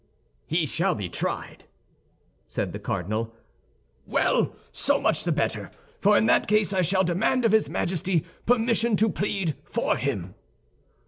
"He shall be tried," said the cardinal. "Well, so much the better; for in that case I shall demand of his Majesty permission to plead for him."